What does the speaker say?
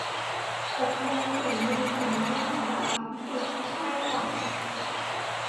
ตกลงเสียงมือถือนั่น ของอภิสิทธิ์ใช่ป่ะ